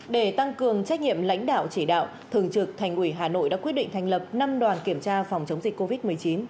để tăng cường trách nhiệm lãnh đạo chỉ đạo thường trực thành ủy hà nội đã quyết định thành lập năm đoàn kiểm tra phòng chống dịch covid một mươi chín